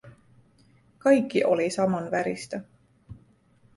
kaikki oli samanväristä.